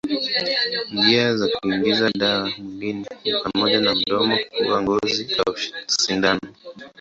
Njia za kuingiza dawa mwilini ni pamoja na mdomo, pua, ngozi au sindano.